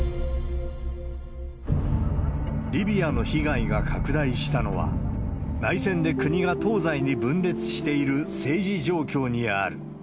リビアの被害が拡大したのは、内戦で国が東西に分裂している政治状況にある。